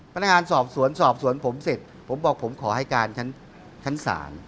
พนักงานสอบสวนสอบสวนผมเสร็จผมบอกผมขอให้การชั้นศาล